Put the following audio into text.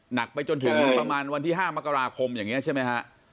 หนักไปจนถึงประมาณวันที่๕มกราคมอย่างนี้ใช่ไหมฮะ